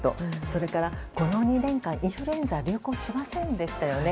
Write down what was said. それから、この２年間インフルエンザは流行しませんでしたよね。